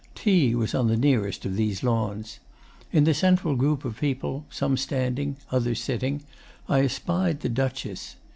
Tea was on the nearest of these lawns. In the central group of people some standing, others sitting I espied the Duchess.